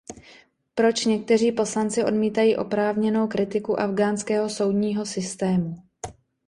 Proč někteří poslanci odmítají oprávněnou kritiku afghánského soudního systému.